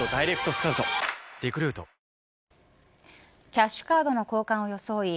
キャッシュカードの交換を装い